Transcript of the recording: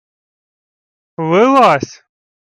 — Вилазь І